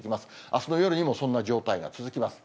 あすの夜にもそんな状態が続きます。